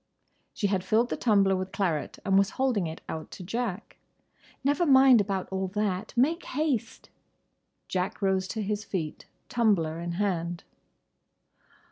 She had filled the tumbler with claret and was holding it out to Jack. "Never mind about all that. Make haste." Jack rose to his feet, tumbler in hand.